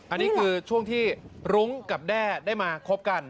อันนี้คือช่วงที่รุ้งกับแด้ได้มาคบกัน